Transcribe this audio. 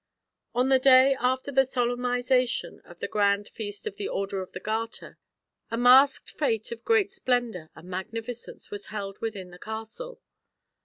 On the day after the solemnisation of the Grand Feast of the Order of the Garter, a masqued fete of great splendour and magnificence was held within the castle.